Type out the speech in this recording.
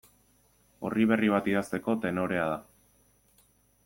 Orri berri bat idazteko tenorea da.